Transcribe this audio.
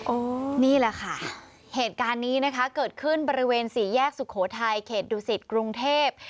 นี่แหละค่ะเหตุการณ์นี้นะคะเกิดขึ้นบริเวณสี่แยกสุโขทัยเขตดุสิตกรุงเทพ